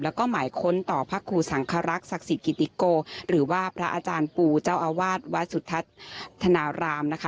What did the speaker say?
แล้วก็หมายค้นต่อพระครูสังครักษักศิกิติโกหรือว่าพระอาจารย์ปูเจ้าอาวาสวัดสุทัศน์ธนารามนะคะ